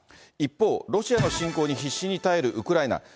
一方、ロシアの侵攻に必死に耐えるウクライナ。